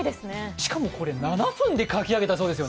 しかも、これ、７分で書き上げたそうですよ。